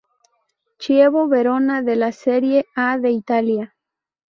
Chievo Verona de la Serie A de Italia.